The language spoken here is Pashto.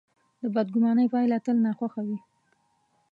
د بدګمانۍ پایله تل ناخوښه وي.